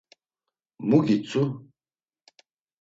Mu gitzu?